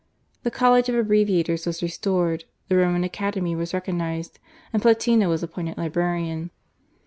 The College of Abbreviators was restored, the Roman Academy was recognised, and Platina was appointed librarian.